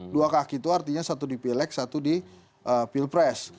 dua kaki itu artinya satu dipilek satu dipilpres